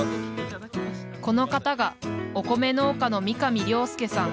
この方がお米農家の三上良介さん。